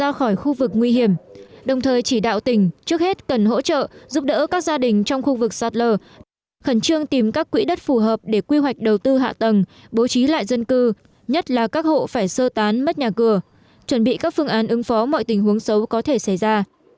ra khỏi khu vực nguy hiểm đồng thời chỉ đạo tỉnh trước hết cần hỗ trợ giúp đỡ các gia đình trong khu vực sạt lở khẩn trương tìm các quỹ đất phù hợp để quy hoạch đầu tư hạ tầng bố trí lại dân cư nhất là các hộ phải sơ tán mất nhà cửa chuẩn bị các phương án ứng phó mọi tình huống xấu có thể xảy ra